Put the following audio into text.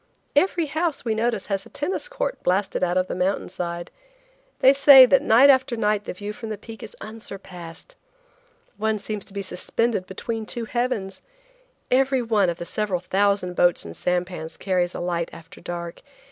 Every house we notice has a tennis court blasted out of the mountain side. They say that after night the view from the peak is unsurpassed. One seems to be suspended between two heavens. Every one of the several thousand boats and sampans carries a light after dark.